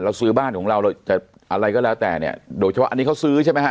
ซื้อบ้านของเราเราจะอะไรก็แล้วแต่เนี่ยโดยเฉพาะอันนี้เขาซื้อใช่ไหมฮ